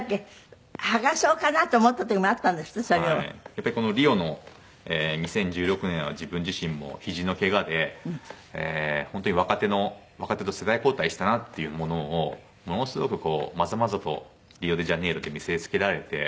やっぱりこのリオの２０１６年は自分自身もひじのけがで本当に若手と世代交代したなっていうものをものすごくまざまざとリオデジャネイロで見せつけられて。